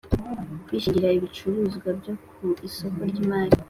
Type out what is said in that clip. kwishingira ibicuruzwa byo ku isoko ry imari